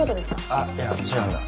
あっいや違うんだ。